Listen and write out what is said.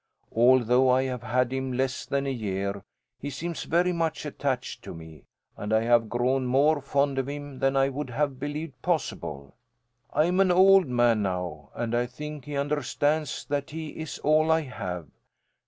Although I have had him less than a year, he seems very much attached to me, and I have grown more fond of him than I would have believed possible. I am an old man now, and I think he understands that he is all I have.